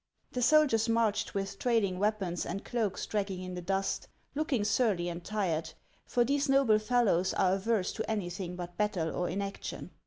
The soldiers marched witli trailing weapons and cloaks dragging in the dust, looking surly and tired, for these noble fellows are averse to anything but battle or inaction.